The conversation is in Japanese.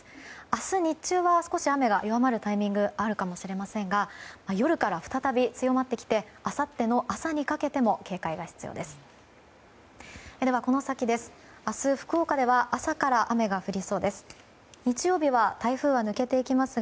明日日中は少し雨が弱まるタイミングがあるかもしれませんが夜から再び強まってきてあさっての朝にかけても警戒が必要です。